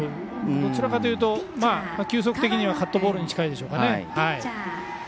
どちらかというと、球速的にはカットボールに近いでしょうね。